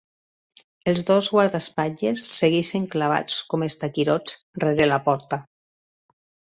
Els dos guardaespatlles segueixen clavats com estaquirots rere la porta.